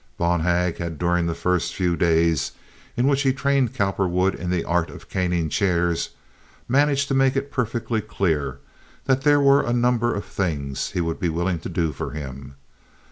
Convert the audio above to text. Bonhag, during the first few days in which he trained Cowperwood in the art of caning chairs, managed to make it perfectly clear that there were a number of things he would be willing to do for him.